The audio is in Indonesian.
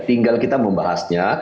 tinggal kita membahasnya